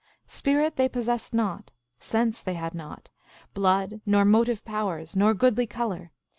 " Spirit they possessed not, sense they had not, blood nor motive powers, nor goodly color.